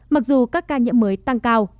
mặc dù các ca nhiễm mới tăng cao